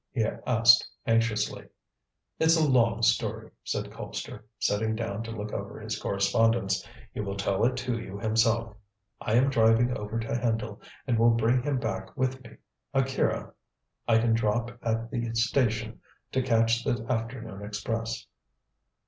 he asked anxiously. "It's a long story," said Colpster, sitting down to look over his correspondence; "he will tell it to you himself. I am driving over to Hendle, and will bring him back with me. Akira I can drop at the station to catch the afternoon express."